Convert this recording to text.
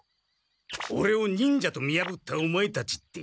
オレを忍者と見やぶったオマエたちって。